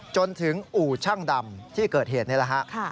จนถึงอู่ช่างดำที่เกิดเหตุในรหัส